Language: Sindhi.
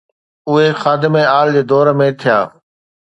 اهي خادم آل جي دور ۾ ٿيا.